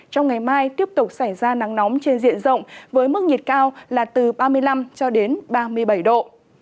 trong ngày mai tiếp tục xảy ra nắng nóng trên diện rộng với mức nhiệt cao là từ ba mươi năm ba mươi năm độ